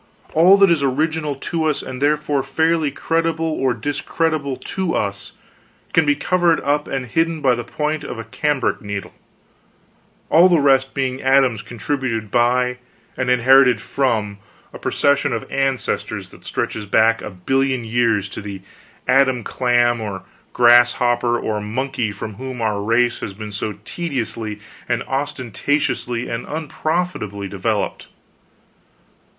All that is original in us, and therefore fairly creditable or discreditable to us, can be covered up and hidden by the point of a cambric needle, all the rest being atoms contributed by, and inherited from, a procession of ancestors that stretches back a billion years to the Adam clam or grasshopper or monkey from whom our race has been so tediously and ostentatiously and unprofitably developed.